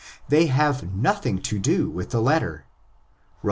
They have nothing to do with the letter (Rom.